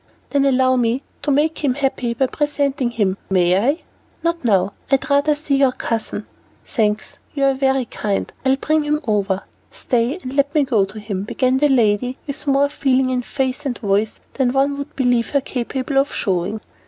"Then allow me to make him happy by presenting him, may I?" "Not now. I'd rather see your cousin." "Thanks, you are very kind. I'll bring him over." "Stay, let me go to him," began the lady, with more feeling in face and voice than one would believe her capable of showing.